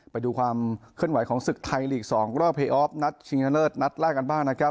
ไปดูความขึ้นไหวของศึกไทยหลีกสองรอบนัดนัดลากันบ้างนะครับ